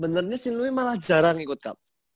benernya si nelowi malah jarang ikut cup